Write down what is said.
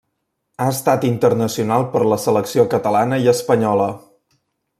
Ha estat internacional per la selecció catalana i espanyola.